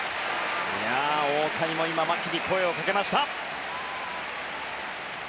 大谷も今、声をかけました。